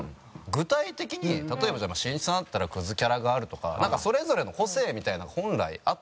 具体的に例えばしんいちさんだったらクズキャラがあるとかそれぞれの個性みたいなのが本来あって。